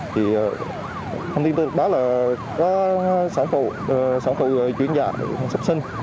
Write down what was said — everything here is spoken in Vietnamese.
thì thông tin từ trực báo là có sản phụ chuyên gia sắp sinh